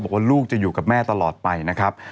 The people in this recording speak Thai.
บอกว่าลูกจะอยู่กับแม่ตลอดไปนะครับ